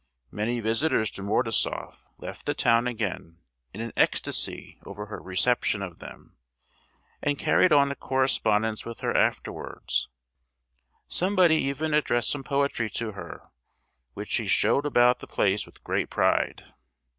Many visitors to Mordasoff left the town again in an ecstasy over her reception of them, and carried on a correspondence with her afterwards! Somebody even addressed some poetry to her, which she showed about the place with great pride.